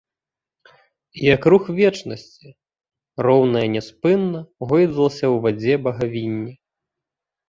Як рух вечнасці, роўна і няспынна гойдалася ў вадзе багавінне.